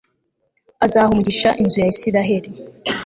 azaha umugisha inzu ya israheli